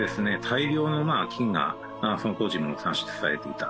大量の金がその当時も産出されていた。